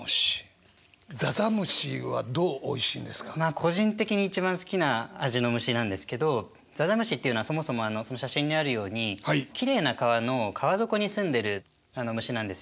個人的に一番好きな味の虫なんですけどざざむしっていうのはそもそもその写真にあるようにきれいな川の川底に住んでいる虫なんですよ。